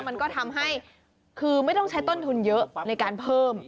มันก็ทำให้คือไม่ต้องใช้ต้นทุนเยอะในการเพิ่ม